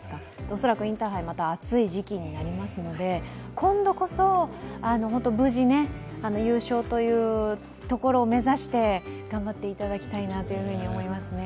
恐らくインターハイ、また暑い時期になりますので、今度こそ、本当に無事ね優勝というところを目指して頑張っていただきたいなと思いますね。